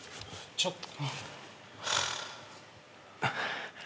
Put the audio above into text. ちょっと。